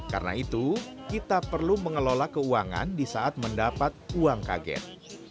karena itu kita perlu mengelola keuangan di saat mendapat uang kaget